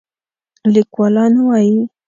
لیکوالان وايي